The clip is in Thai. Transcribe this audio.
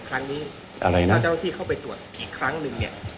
ครั้งนี้ถ้าเจ้าที่เข้าไปตรวจอีกครั้งหนึ่งเนี่ย